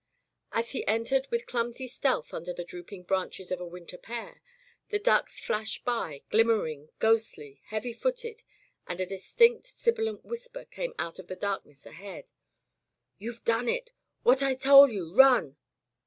As he entered with clumsy stealth under the drooping branches of a winter pear, the ducks flashed by, glimmering, ghostly, heavy footed, and a distinct, sibi lant whisper came out of the darkness ahead: "You done it! Wat I tole you! Run!'